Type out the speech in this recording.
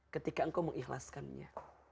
ketika engkau mengikhlaskannya